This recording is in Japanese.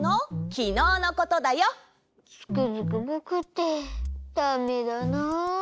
つくづくぼくってダメだな。